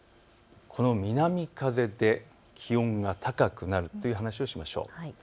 南風で気温が高くなるという話をしましょう。